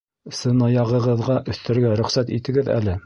Сынаяғығыҙға өҫтәргә рөхсәт итегеҙ әле?